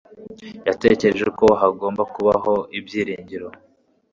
yatekereje ko hagomba kubaho ibyiringiro